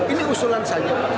ini usulan saja